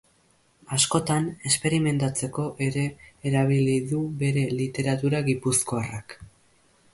Askotan, esperimentatzeko ere erabili du bere literatura gipuzkoarrak.